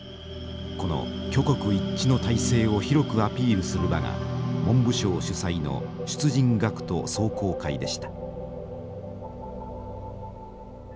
この挙国一致の体制を広くアピールする場が文部省主催の出陣学徒壮行会でした。